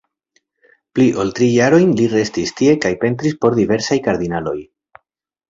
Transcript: Pli ol tri jarojn li restis tie kaj pentris por diversaj kardinaloj.